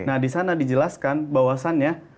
nah di sana dijelaskan bahwasannya